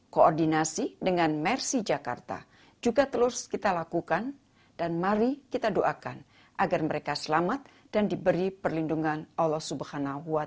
koordinasi dengan mersi jakarta juga terus kita lakukan dan mari kita doakan agar mereka selamat dan diberi perlindungan allah